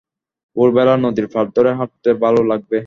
ভোরবেলা নদীর পাড় ধরে হাঁটতে ভালো লাগবে।